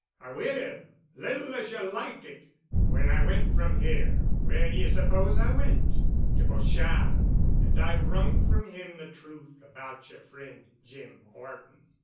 "I will, little as ye'll like it. When I went from here where d'ye suppose I went? To Pochard. And I wrung from him the truth about yer friend Jim Horton.